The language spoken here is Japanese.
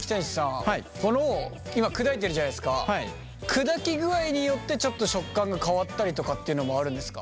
砕き具合によってちょっと食感が変わったりとかっていうのもあるんですか？